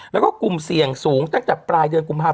แล้วก็กลุ่มเสี่ยงสูงตั้งแต่ปลายเดือนกุมภาพ